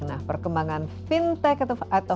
nah perkembangan fintech atau